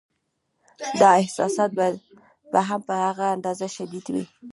دا احساسات به هم په هغه اندازه شدید وي.